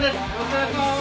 お願いします！